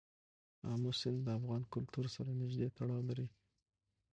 آمو سیند د افغان کلتور سره نږدې تړاو لري.